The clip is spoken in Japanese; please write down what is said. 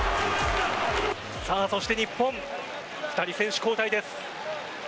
さあ、そして日本２人選手交代です。